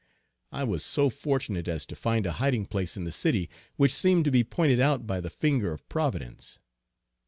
I was so fortunate as to find a hiding place in the city which seemed to be pointed out by the finger of Providence.